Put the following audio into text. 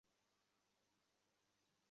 আমার যে সাফল্য হচ্ছে, তার কারণ আমার সহজ ভাষা।